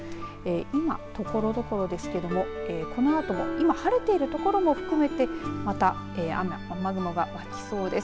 今、ところどころですけどこのあとも今晴れているところも含めてまた雨、雨雲が湧きそうです。